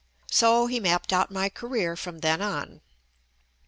So he mapped out my career from then on.